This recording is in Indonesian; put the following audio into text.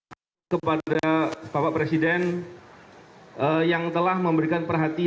dan juga kepada bapak presiden yang telah memberikan perhatian